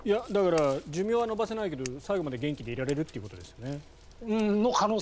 だから寿命は延ばせないけど最後まで元気でいられるってことですよね。